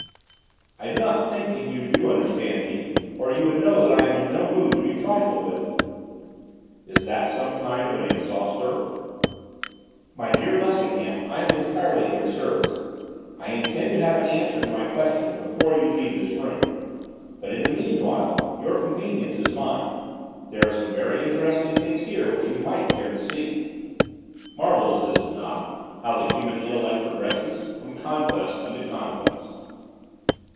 'I do not think that you do understand me, or you would know that I am in no mood to be trifled with.' 'Is it some kind of an exhauster?' 'My dear Lessingham, I am entirely at your service. I intend to have an answer to my question before you leave this room, but, in the meanwhile, your convenience is mine. There are some very interesting things here which you might care to see.' 'Marvellous, is it not, how the human intellect progresses, from conquest unto conquest.